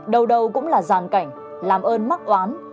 đầu đâu cũng là giàn cảnh làm ơn mắc oán